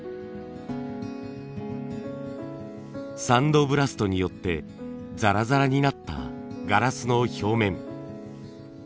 サンドブラストによってザラザラになったガラスの表面。